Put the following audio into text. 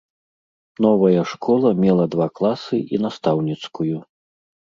Новая школа мела два класы і настаўніцкую.